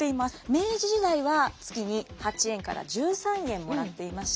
明治時代は月に８円から１３円もらっていました。